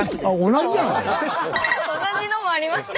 同じのもありました。